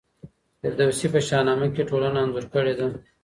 فردوسي په شاهنامه کي ټولنه انځور کړې ده.